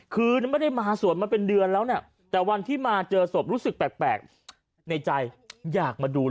คือไม่ได้มาสวนแปลงวันเมื่อแค่อีกเรื่องบอกว่าอยากมาเจอไล่อ้อยไปกับสวนกล้วย